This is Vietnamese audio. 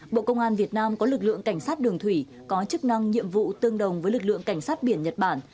bộ công an việt nam có lực lượng cảnh sát đường thủy có chức năng nhiệm vụ tương đồng với lực lượng cảnh sát biển nhật bản